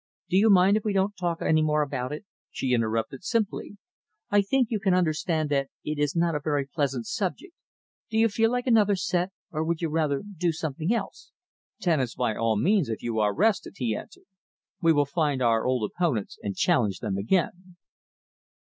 "Do you mind if we don't talk any more about it?" she interrupted simply. "I think you can understand that it is not a very pleasant subject. Do you feel like another set, or would you rather do something else?" "Tennis, by all means, if you are rested," he answered. "We will find our old opponents and challenge them again."